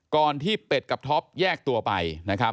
ก่อนที่เป็ดกับท็อปแยกตัวไป